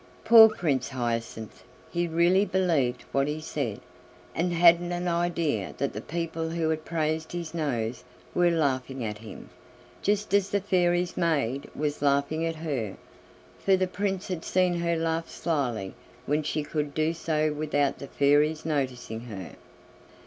Poor Prince Hyacinth! He really believed what he said, and hadn't an idea that the people who had praised his nose were laughing at him, just as the Fairy's maid was laughing at her; for the Prince had seen her laugh slyly when she could do so without the Fairy's noticing her.